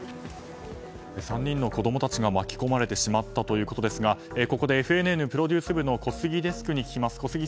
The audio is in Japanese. ３人の子供たちが巻き込まれてしまったということですがここでＦＮＮプロデュース部の小杉デスクに聞きます。